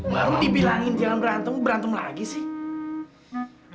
baru dibilangin jangan berantem berantem lagi sih